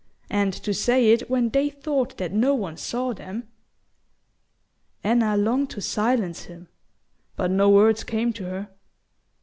and to say it when they thought that no one saw them." Anna longed to silence him, but no words came to her.